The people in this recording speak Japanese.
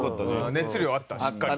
熱量あったしっかり。